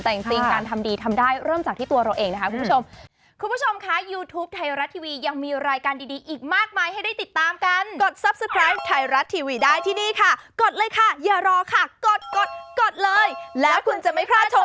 แต่จริงการทำดีทำได้เริ่มจากที่ตัวเราเองนะคะคุณผู้ชมค่ะ